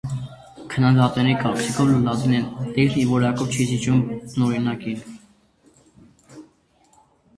Քննադատների կարծիքով՝ լատիներեն տեքստն իր որակով չի զիջում բնօրինակին։